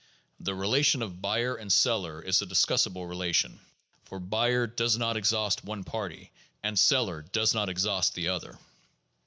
The relation of buyer and seller is a discussable relation ; for buyer does not exhaust one party and seller does not exhaust the other.